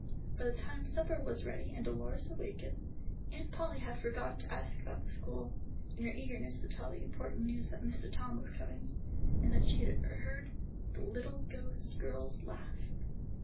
By the time supper was ready and Dolores awakened, Aunt Polly had forgotten to ask about the school, in her eagerness to tell the important news that Mistah Tom was coming, and that she had heard the little ghost girl's laugh.